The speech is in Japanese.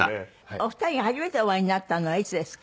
お二人が初めてお会いになったのはいつですか？